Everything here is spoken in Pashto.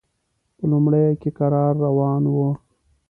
په لومړیو کې کرار روان و.